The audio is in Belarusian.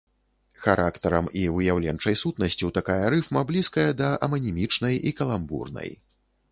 Характарам і выяўленчай сутнасцю такая рыфма блізкая да аманімічнай і каламбурнай.